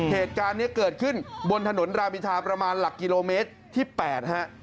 เหตุการณ์นี้เกิดขึ้นบนถนนราบิทาประมาณหลักกิโลเมตรที่๘ฮะ